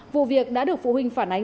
vụ việc đã được phụ huynh phản ánh